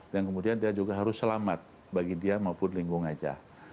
dan kemudian dia juga harus selamat bagi dia maupun lingkungan saja